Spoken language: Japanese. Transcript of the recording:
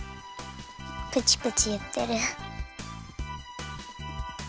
プチプチいってる。